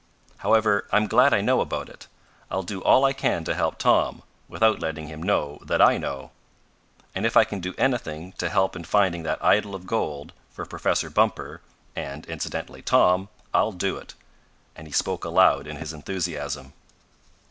"However, I'm glad I know about it. I'll do all I can to help Tom, without letting him know that I know. And if I can do anything to help in finding that idol of gold for Professor Bumper, and, incidentally, Tom, I'll do it," and he spoke aloud in his enthusiasm.